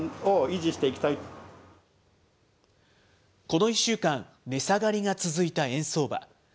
この１週間、値下がりが続いた円相場。